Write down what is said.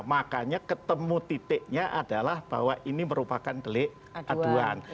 makanya ketemu titiknya adalah bahwa ini merupakan delik aduan